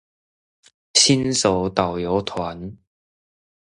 新手導遊團